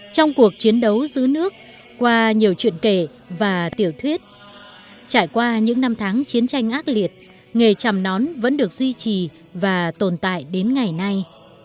trong cuộc chiến đấu giữ nước qua nhiều chuyện kể và tiểu thuyết trải qua những năm tháng chiến tranh ác liệt nghề trầm nón vẫn được duy trì và tồn tại đến ngày nay